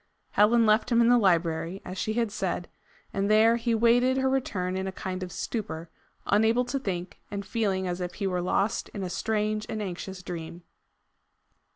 Helen left him in the library, as she had said, and there he waited her return in a kind of stupor, unable to think, and feeling as if he were lost in a strange and anxious dream.